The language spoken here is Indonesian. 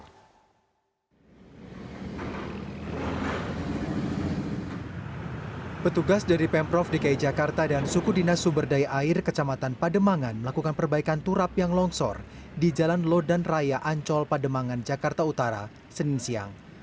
petugas dari pemprov dki jakarta dan suku dinas sumberdaya air kecamatan pademangan melakukan perbaikan turap yang longsor di jalan lodan raya ancol pademangan jakarta utara senin siang